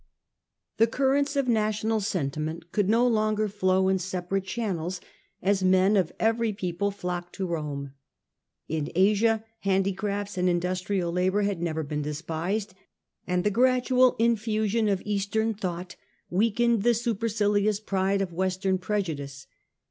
The currents of national sentiment could no longer flow in separate channels, as men of every people flocked . r to Rome. In Asia handicrafts and indus Eastern trial labour had never been despised, and the sentiment. gradual infusion of Eastern thought weakened the supercilious pride of Western prejudice.